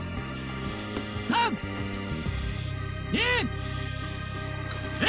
３２１。